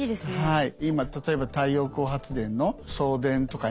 はい。